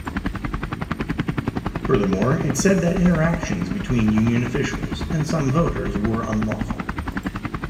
Furthermore, it said that interactions between union officials and some voters were unlawful.